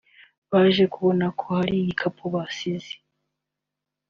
Baje kubona ko hari igikapu basize